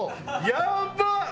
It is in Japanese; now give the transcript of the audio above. やばっ！